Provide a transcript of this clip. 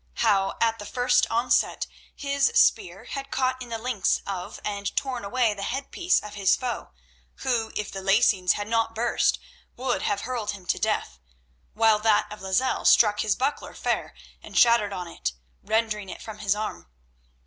How at the first onset his spear had caught in the links of and torn away the head piece of his foe, who, if the lacings had not burst, would have been hurled to death, while that of Lozelle struck his buckler fair and shattered on it, rending it from his arm.